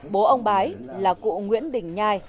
bố ông bái là cụ nguyễn đình nhai